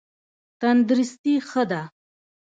تندرستي ښه ده.